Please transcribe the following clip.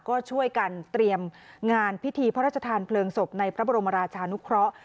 ก็ช่วยกันเตรียมงานพิธีพระราชทานเพลิงศพในพระบรมราชานุเคราะห์